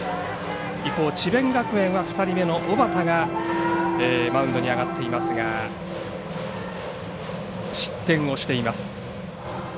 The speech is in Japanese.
一方、智弁学園は２人目の小畠がマウンドに上がっていますが失点しています。